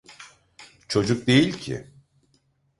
Çocuk değil ki…